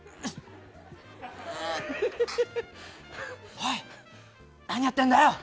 おい、何やってんだよ。